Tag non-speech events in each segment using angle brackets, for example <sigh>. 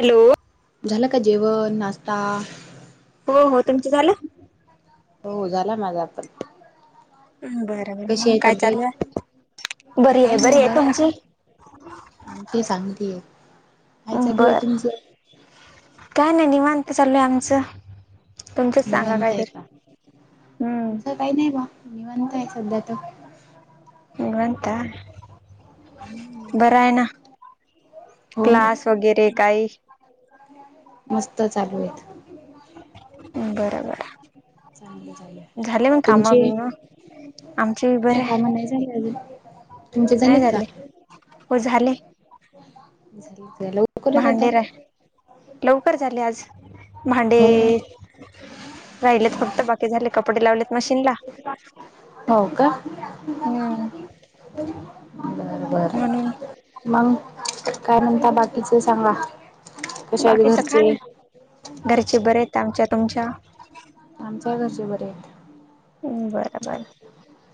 Hello झालं का जेवण नाश्ता हो हो तुमच झालं हो झाला माझा आपण बरोबर मग काय चालू तब्येत बरी आहे बरी आहे तुमची आ ते सांगतीय बर काय नाही निवांत चालूय आमचं तुमचच सांगा निवांत आहे काहीतरी का हम्म आमचं काही नाही बा निवांत आहे सध्या तर निवांत बर आहे ना हो ना क्लास वगैरे काही मस्त चालू आहेतेत बरबर चांगले चालू झाले मग आहे कामा तुमचे बिमा आमचे बी काय बरे आहे कामं नाही झाले अजून तुमचे नाही झालेत झाले हो झाले ला भांडेर लवकर झाले आज भांडे हो राहिलेत फक्त बाकी झाले कपडे लावलेत मशीन ला <unintelligible> हम्म बरं बरं म्हण मग काय म्हणता बाकीच सांगा कशा आहेत बाकीच का घरचे ना घरचे बरे आहेत आमच्या तुमच्या आमच्या घरचे बरे आहेत बरं बरं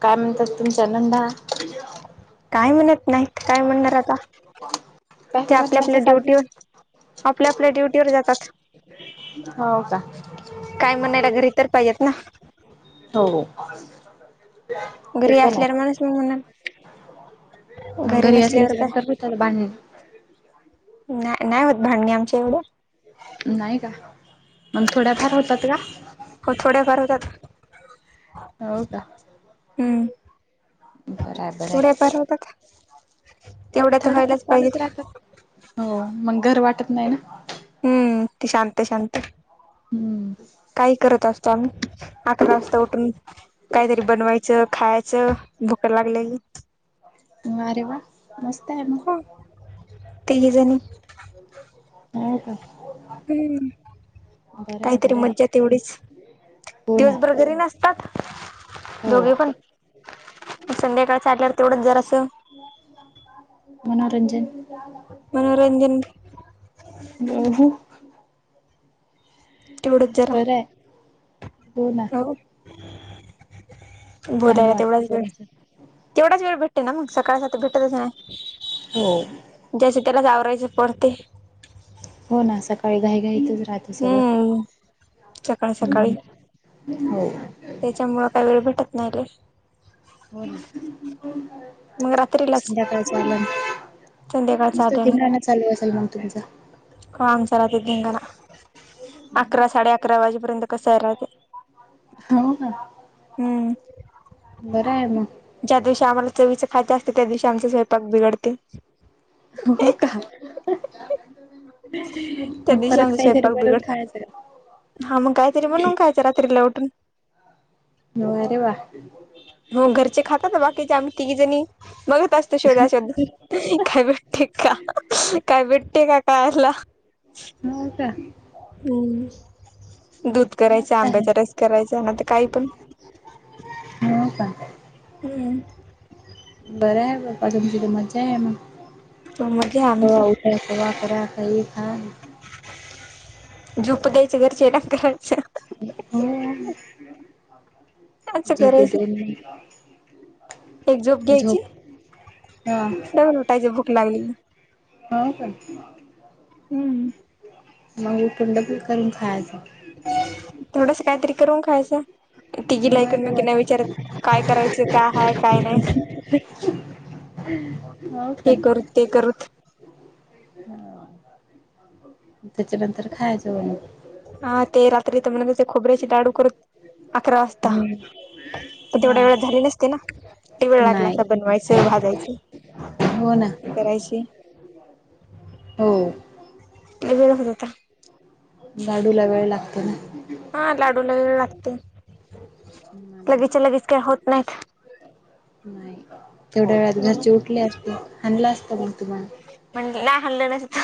काय म्हणतात तुमच्या नंडा क काय म्हणत नाही काय म्हणणार आता काही ते म्हण आपल्या आपल्या मॅच्यासाठी ड्युटीवर आपल्या आपल्या ड्युटीवरर जातात हो का काय म्हणायला घरी तरर पाहिजेत ना हो ते घरी पण असल्यावर माणूस आहे मग म्हणाल मग घरी नसल्यावर असल्याच्या काय नंतर <inaudible> नाही नाही होत भांडग आमच्या एवढ्या नाही का मग थोड्याफार होतात का हो थोड्याफार होतात होौ का हम्म बरं आहे बरं तेवढ्या बर होतात आहे तेवढ्या तर थोड्याफार व्हायलाच पाहिजे चालूच राहतात हो मग घर वाटत नाही ना हम्म ती शांत शांत हम्म काही करत असतो आम्ही अकरा वाजता उठून काहीतरी बनवायचं खायचं भूक लागले क ह अरे वा मस्त आहे मग तेजण ह का हम् बरं आहे काहीतरी बरं आहे मज्जा तेवढीच हो ना दिवसभर घरी ना हो दोघे पण संध्याकाळ चालल्यावर तेवढंच जरासं मनोरंजन मनोरंजन ह एवढच जरा बरं आहे हो चांगलं भोदाला वाटतं तेवढाच वेळ जरासं तेवढाच वेळ भेटते ना मग सकाळ स भेटतच नाही हो ज्यास त्यालाच आवरायचं पडते हो ना सकाळी घाई घाईतच राात हे सगळं हम्म सकाळी सकाळी हो त्याच्यामुळं काही वेळ भेटत नाहीले हो ना मग रात्रीलाच संध्याकाळ लं संध्याकाळचा मत तिंगण चालू असेल मग तुमझचा काम चलाते घन का अकरा साडे अकरा वाजेपर्यंत कसं आहे राहते हो का हम्म बर आहे मग ज्या दिवशी आम्हाला चवीचे खायचे असते त्या दिवशी आमचे स्वयंक बिघडते हो का त्या मग दिवशी परत आमचा काही झारी स्वयंपाक बरर बिघड खायचं हा मग काहीतरी म्हणून कायचं रात्रीला उठून न वर वा हो घरचे खातात बाकीचे आम्ही तिघी जणी मगत असतो शोधा शोध काय भेटते का काय भेटते का कायला हूं का हम्म दूध करायचं मस्त आहे आंब्याचा रस करायचा ना त काय पण हो काय हम्म बऱं हाय ब अजून तुजी मज्जा हाय म तो मग घे आमचं पण करा करा काही काम झूप द्यायचं घरचे काय करायच असं झोप येते करायचं व्हय मला एक झोप घ्यायची हा परत उठायचं भूक लागली की हाव काय. हम्म मंग इकडला केक करून खायचा. थोडस काय तरी करून खायचा. ते तिघीला अरे ऐकंमेकीला विचारत काय करायचं काय हाय काय नाय. वा ते करूत ते करूत हो मं त्याच्यानंतर खायांच व्हय. हा ते रात्री तर म्हणत होते खोबऱ्याची डाडू करत अकरा वाज ता म्हणे ते हा तेवढ्या वेळेत झाले नसते ना लय वेळ लागला नाही असता बनवायचं भाजायचं. हो ना. करायसी. हो. काय बरोबर होता. लाडू ला वेळ लागतो ना हा लाडू ला वेळ लागतय लगेच्या लगेच काय होत नाहीत. नाही तेवढ्या वेळात म्हणून घरचे उठले असते हाणल असत मग तुम्हाला पण ला हाणलं नसत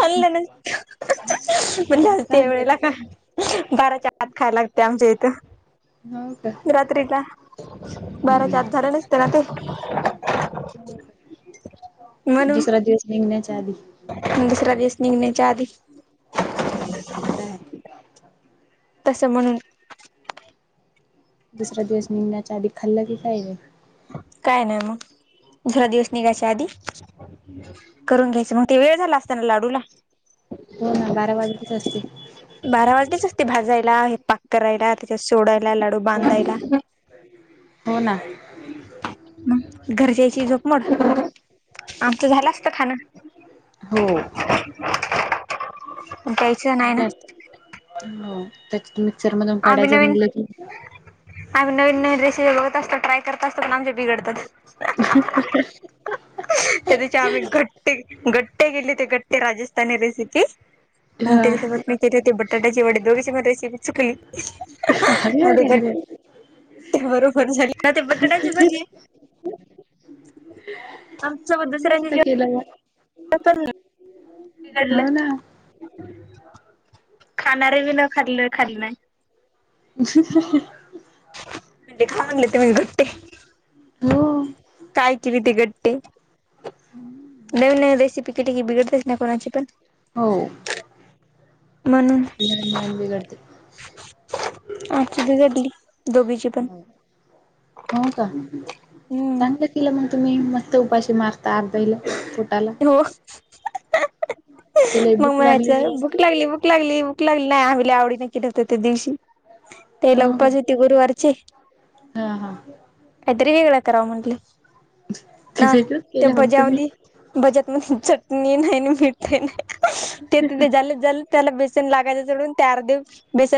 हाणलं नसत पण मस्त भलत्या वेळेला हाणलं का? बाराच्या आत खायला लागतय आमच्या इथं हो का रात्री ला बाराच्या आता झालं नस त्याना त तुसरा दिवस निगण्याच्या आधी हं दुसरा दिवस निगण्याच्या आधी कुठ हाय तसं म्हणून दुसरा दिवस निगण्याच्या आधी खल्ला की पाहिजे. काय नाय मग दुसरा दिवस निघायच्या आधी करून घ्यायच मंग ते येळ झाला असता ना त्या लाडूला हो ना बारा वाजतेच असते. बारा वाजलेच असते भाजायला हे पाक करायला त्याच्यात सोडायला लाडू हो ना बांधायला हो ना मग घरच्याची झोपमोड आमचं झालं असत खाण हो. द्यायचं नाय ना तेच की मिक्सर मधून आम्ही काढायच नवीन म्हणलं की, आम्ही नवीन नवीन रेसिपी बघत असतो. ट्राय करत असतो. पण आमच्या बिघडतात. <unintelligible> त्या दिवशी आम्ही घट्टे घट्टे गेले ते गट्टे राजस्थानी रेसिपी हा त्याच्यासोबत मी केले होते बटाट्याची वडी दोघे मची चुकली हरेर हरेर ते बरोबर झाले का ते बटाट्याची भाजी आमं बद्ध केला हो डलं ना खाान र बी न खा खाली ना ह म्हणजे खागले ते म्हण गुट्टे हो काय केले ते गट्टे हम्म नवीन नवीन रेसिपी केली की पण बिघडतेच ना सगळ्यांची हो म्हणून नवीन नवीन बिघडतात आध झाडली दोघीचीी पण हो का हम्म चांगलं तिला मग तुम्ही मस्त उपाशी मारता अर्ध्याईला पोटाला हो ह मग म्हणायचं भूक लागली भूक लागली भूक लागली नाही आमला आवडी नाहीकी ठत त्या दिवशी ते हो का लगपच होती गुरुवारचे हा हा काहीतरी वेगळा कराव म्हंटलं ते ना वेगळंच ते केलं मग तुम्ही भजावधी बजत म चटणी नाही मीठ नाही ते त ते झालं झाल त्याला बेसन लागायचं सोडून बटाटे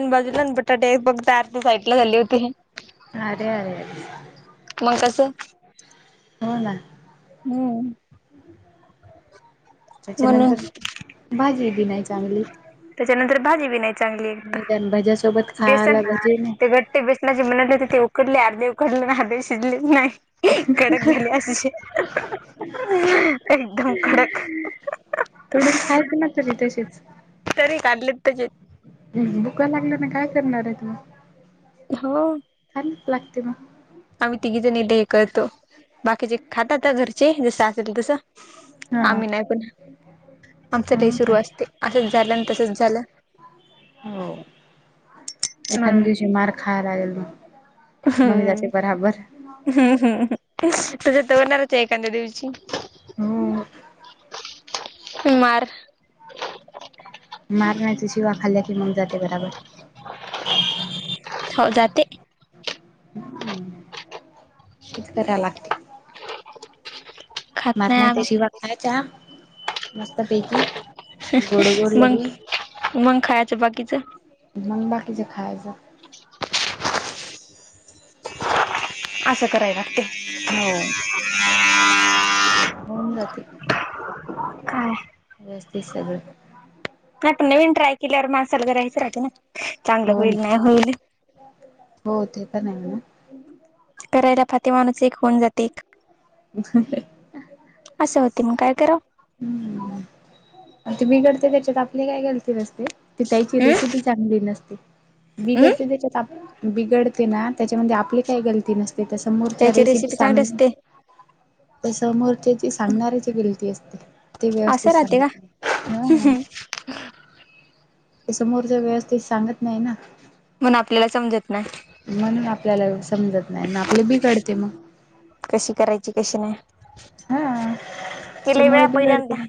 बाजूला आणि बेसन साईडला झाले होते अरेरे मग कसं हो ना हम्म म्हणून त्याच्यानंतर भाजी बी नाही चांगली त्याच्यानंतर भाजी बी नाही चांगली एक निदान भज्यासोबत बेसन खायला भजे ते नाही घट ते बेसला जे म्हनटले होते ते उकडले आर्दे उकडले नाही आर्द शिजले नाही एक कडक झाली अस एकदम कडक तोडून खायचं ना तरी तशीच तरी काढले तर जेत बुका लागल्या ना काय करणार आहे तु हा खान लागते म आम्ही तिघे जण इेते हे करतो बाकीचे खातात घरचे जसं असेल तसं हा आम्ही नाही पण आमचं लही हो सुरू का असते असंच झालं तसच झालं हो एखाद्या म्हणून. दिवशी मार खायला लागेल मग असं जाते बराबर तर होणारच आहे एखाद्या दिवशी हो मार मार नाहीयच शिवा खाल्ल्या की मग जाते बराबर हो जाते हम तेिच करा लागते खात मार नाही नाहीचा आम्ही शिवा खायचा मस्तपैकी गोड गोड लगे मग मग खायचं बाकीचं मग बाकीचेे खायच असं कराय लागते हो ह होऊन जात काय जास्तीचं सगळं ह पण नवीन ट्राय केल्यावर मासाला करायचं रा ना चांगलं हो ना होईल नाही होईल हो ते प नाही ना <unintelligible> करायला फातीमाणूस एक होऊन जाते एक ह असं होते मग काय कराव <inaudible> ते बिघडते त्याच्यात आपली काय गलती नसते ती त्याची हम्म रेसिपी <inaudible> चांगली नसते हम्म बिघडते त्याच्यात बिघडते ना त्याच्यामध्ये आपली काय गलती नसते <inaudible> तस मोरच्या त्याची रेसिपी चांगली सांग असते त्या समोरच्याची सांगणाऱ्याची गिलती असते ते <inaudible> व्यवस्थित असं राहते का सांगत नाही हा समोरच्या व्यवस्थित सांगत नाही ना <inaudible> म्हणून आपल्याला समजत नाही <inaudible> म्हणून आपल्याला समजत नाही ना आपले बिघडते मग कशी करायची कशी नाही हा. <inaudible> लय वेळा त्याच्यामुळे बिघडते पहिल्यांदा मग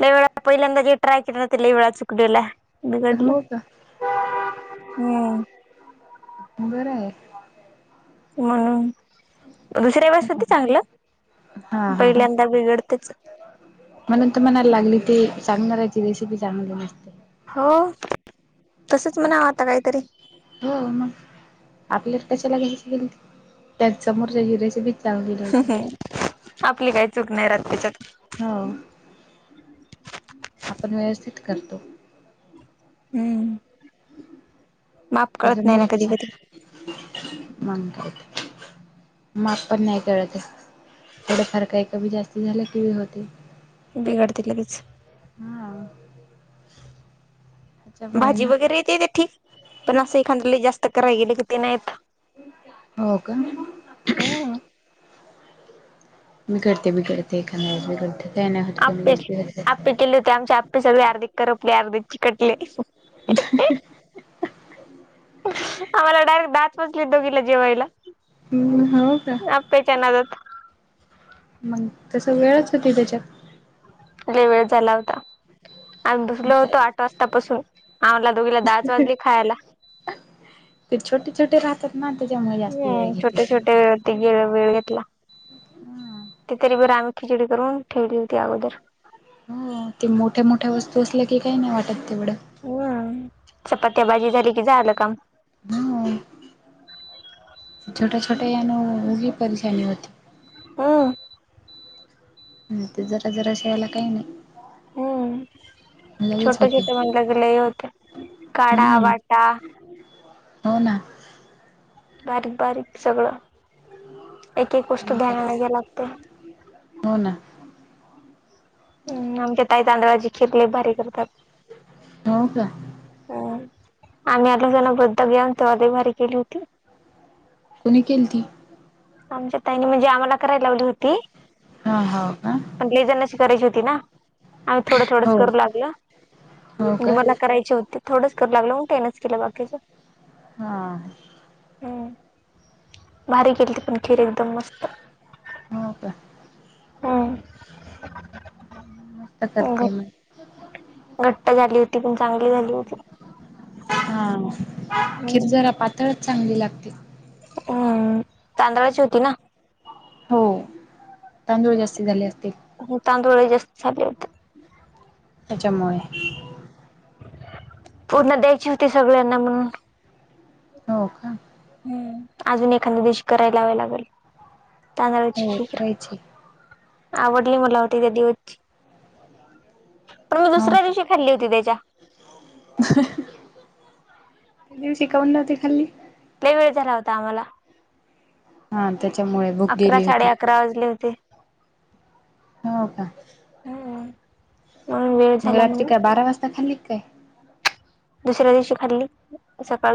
लय वेळा पहिल्यांदा जे ट्राय के ते लय वेळा चुकलेलाय हो का हम्म <inaudible> बरं आहे म्हणून दुसऱ्यावेळेस होते चांगलं हा पहिल्यांदा बिघडतेच म्हणूनच तर म्हणायला लागली ती की सांगणार याची रेसिपी चांगली नसते हो तसच म्हणा आता काहीतरी हो मग आपल्याला कशाला कायचगेल त्या समोरच्या ज रेसिपी चांगली राहायची आपली काही चूक नाही राहात त्याच्यात हा <inaudible> आपण व्यवस्थित करतो <inaudible> हम्म <inaudible> माप कळत नाही ना कधी कधी मंदबदक <inaudible> माप पण नाही कळत <inaudible> थोडं फार काही कमी जास्त झालं की होते बिघाडते लगेच हा <inaudible> <inaudible> त्याच्यामुळे भाजी ना वगैरे येते ते ठीक पण असं एखादं जास्त करायला गेल की ते नाही येत. हो का <inaudible> हम्म मी करते मी करते <unintelligible> एका मी करते आप्पे -आप्पे केले होते आमचे आप्पे सगळे अर्ध करपले अर्ध‌ चिकटले ह <inaudible> आम्हाला डायरेक्ट दहाच वाजले दोघीला जेवायला हम्म हो का अप्प्याच्या नादात मग तस वेळच होती त्याच्यात लय वेळ झाला होता आम्ही मग बसलो काय होतो आठ वाजतापसून आम्हाला दोघीला दहाच वाजली खायला ते <inaudible> छोटे छोटे रा <unintelligible> ना त्याच्यामुळे जास्ती हम्म वेळ घेते छोटे ती छोटे त <unintelligible> ग वेळ घेतला हा <unintelligible> तरी बर आम्ही खिचडी करून ठेवली होती अगोदर हो ते मोठ्या -मोठ्या वस्तू असल्या की काही नाही वाटत तेवढं हम्म चपात्या भाजी झाली की झालं काम होय <inaudible> छोट्या- छोट्या <inaudible> या न परेशानी होती होय होय ते जरा- जरा शयायला काही नाही <inaudible> लगेच होती छोटे-छोटे वांग्याच लय होत काढा हम्म वाटा हो ना बारीक-बारीक सगळं एक -एक गोष्ट ध्यान द्याव लागतं. हो ना हम्म आमच्या ताई तांदळाची खीर लय भारी करतात. हो का हम्म <unintelligible> तवा लय भारी केली होती. कोणी केलती? आमच्या ताईने म्हणजे आम्हाला करायला लावली होती. हा हाव का? पण लय जणाची करायची होती ना आम्ही थोडं थोडंच हो करू लागल हो म्हणजे का मला करायची होती थोडंच करू लागल मग त्यानीच केलं बाकीच. हा हम्म भारी केली होती पण खीर एकदम मस्त हो का? मस्त करते घट मग घट्ट झाली होती पण चांगली झाली होती. हा खीर जरा पातळच चांगली लागते. हम्म तांदळाची होती ना? हो तांदूळ जास्ती झाले असतील? हो तांदूळ जास्त झाले होते त्यांच्यामुळे खुपना द्यायची होती सगळ्यांना म्हणून हो का? हम्म अजून एखाद्या दिवशी करायला लावायला लागल तांदळाची हो खीर करायची आवडली मला त्या देऊतची पण मी हो दुसऱ्या का दिवशी खाल्ली होती त्याच्या. त्या दिवशी काऊन नव्हती खाल्ली. लय वेळ झाला होता आम्हाला. हा त्याच्यामुळे भूक गेली होती. राजले होते. हो का हम्म म्हणून वेळ मग झाला रात्री म्हणून काय बारा वाजता खाल्ली की काय? दुसऱ्या दिवशी खाल्ली सकाळी